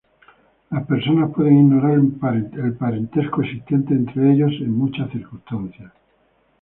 Las personas pueden ignorar el parentesco existente entre ellos en muchas circunstancias.